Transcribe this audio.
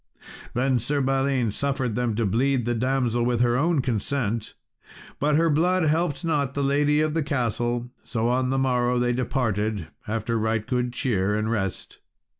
Then Sir Balin suffered them to bleed the damsel with her own consent, but her blood helped not the lady of the castle. So on the morrow they departed, after right good cheer and rest.